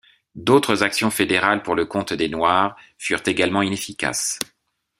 D'autres actions fédérales pour le compte des Noirs furent également inefficaces.